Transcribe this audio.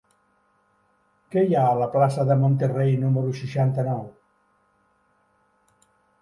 Què hi ha a la plaça de Monterrey número seixanta-nou?